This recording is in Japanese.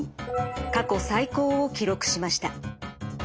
過去最高を記録しました。